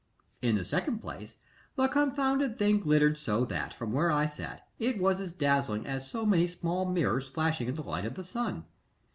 In the second place, the confounded thing glittered so that, from where I sat, it was as dazzling as so many small mirrors flashing in the light of the sun.